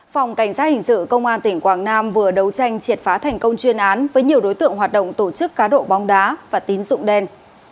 phòng cảnh sát hình sự công an tỉnh quảng nam vừa đấu tranh triệt phá thành công chuyên án với nhiều đối tượng hoạt động tổ chức cá độ bóng đá và tín dụng đen